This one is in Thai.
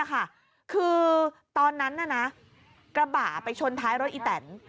ค่ะคือตอนนั้นน่ะนะกระบาดไปชนท้ายรถอีแตน